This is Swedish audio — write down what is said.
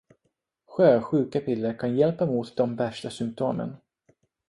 Sjösjukepiller kan hjälpa mot de värsta symtomen